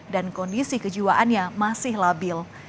dan kondisi kejiwaannya masih labil